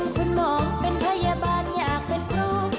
คุณหมอเป็นพยาบาลอยากเป็นครู